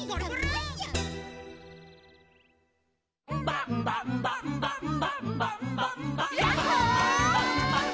「ンバンバンバンバンバンバンバンバ」「ヤッホー」「」